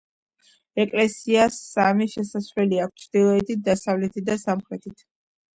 ეკლესიას სამი შესასვლელი აქვს: ჩრდილოეთით, დასავლეთით და სამხრეთით.